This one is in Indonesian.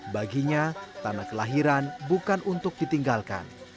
baginya tanah kelahiran bukan untuk ditinggalkan